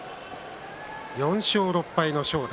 ４勝６敗の正代。